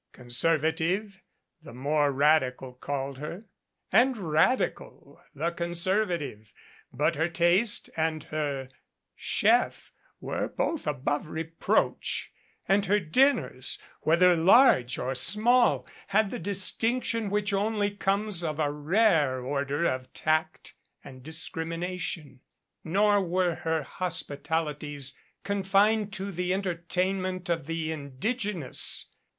Conservative, the 296 MRS. HAMMOND ENTERTAINS more radical called her, and radical, the conservative; but her taste and her chef were both above reproach, and her dinners, whether large or small, had the distinction which only comes of a rare order of tact and discrimina tion. Nor were her hospitalities confined to the entertain ment of the indigenous.